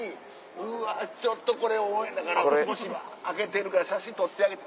うわちょっとこれオンエアだから年が明けてるから写真撮ってあげて。